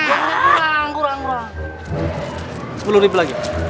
kurang kurang kurang